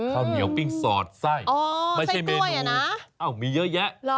ข้าวเหนียวปิ้งสอดไส้ไม่ใช่เมนูมีเยอะแยะ